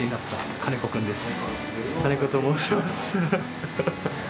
金子と申します。